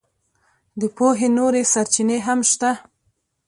د پوهې نورې سرچینې هم شته.